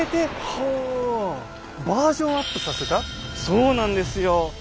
そうなんですよ。